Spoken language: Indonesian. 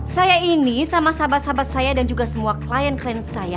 saya ini sama sahabat sahabat saya dan juga semua klien klien saya